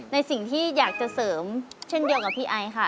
ในสิ่งที่อยากจะเสริมเช่นเดียวกับพี่ไอค่ะ